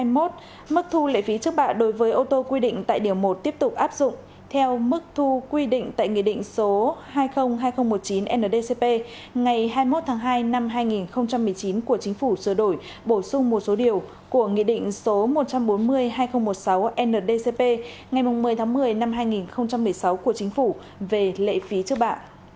mức thu lệ phí trước bạ đối với ô tô quy định tại điều một tiếp tục áp dụng theo mức thu quy định tại nghị định số hai mươi hai nghìn một mươi chín ndcp ngày hai mươi một tháng hai năm hai nghìn một mươi chín của chính phủ sửa đổi bổ sung một số điều của nghị định số một trăm bốn mươi hai nghìn một mươi sáu ndcp ngày một mươi tháng một mươi năm hai nghìn một mươi sáu của chính phủ về lệ phí trước bạ